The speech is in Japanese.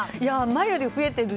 前より増えている。